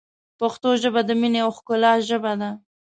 پښتو ژبه ، د مینې او ښکلا ژبه ده.